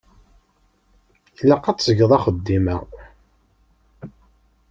Ilaq ad tgeḍ axeddim-a.